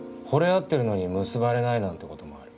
合ってるのに結ばれないなんてこともある。